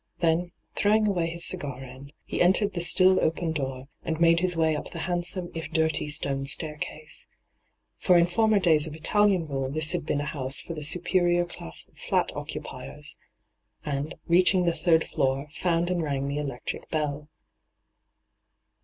Then, throwing away his cigar end, he entered the still open door, and made his way up the handsome, if diity, stone staircase — for in former days of Italian rule this had been a house for the superior class of flat occupiers — and, reaching the third floor, found and rang the electric bell.